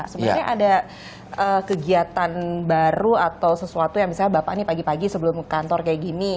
sebenarnya ada kegiatan baru atau sesuatu yang misalnya bapak nih pagi pagi sebelum kantor kayak gini